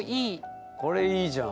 これいいじゃん！